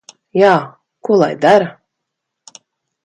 Jā. Ko lai dara?